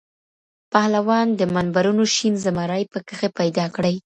پهلوان د منبرونو شین زمری پکښي پیدا کړي